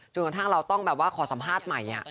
กระทั่งเราต้องแบบว่าขอสัมภาษณ์ใหม่